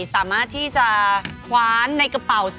สามารถที่จะคว้านในกระเป๋า